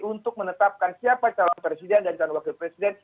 untuk menetapkan siapa calon presiden dan calon wakil presiden